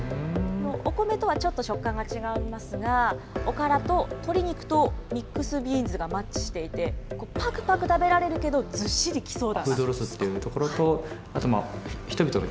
お米とはちょっと食感が違いますが、おからと鶏肉とミックスビーンズがマッチしていて、ぱくぱく食べられるけど、ずっしり来そうな。